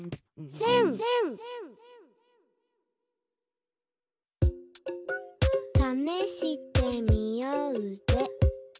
「せん」「ためしてみよーぜ」